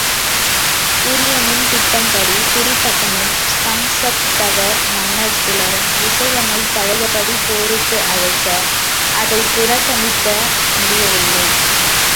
துரியனின் திட்டப்படி திரிகர்த்தனும், சம்சப்தகர் மன்னர் சிலரும் விசயனைப் பழையபடி போருக்கு அழைக்க அதைப் புறக் கணிக்க முடியவில்லை.